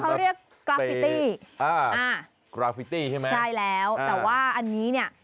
จริงเขาเรียกกราฟิตี้ใช่แล้วแต่ว่าอันนี้เนี่ย